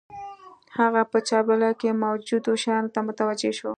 هغه په چاپېريال کې موجودو شیانو ته متوجه شو